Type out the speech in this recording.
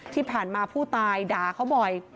ที่ผ่านมาผู้ตายด่าเขาบ่อย